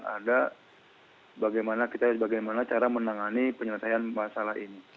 kondisi yang ada bagaimana cara kita menangani penyelesaian masalah ini